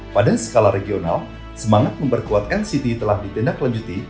pada skala regional semangat memperkuat lct telah ditindak lanjuti